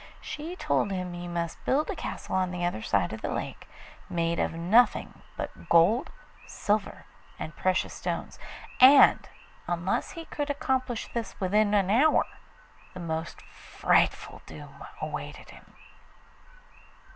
She told him he must build a castle on the other side of the lake, made of nothing but gold, silver, and precious stones, and unless he could accomplish this within an hour, the most frightful doom awaited him.